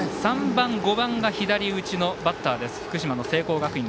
３番、５番が左打ちのバッター福島、聖光学院。